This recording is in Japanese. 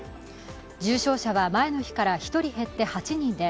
重症者は前の日から１人減って８人で